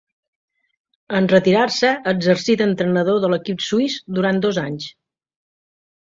En retirar-se exercí d'entrenador de l'equip suís durant dos anys.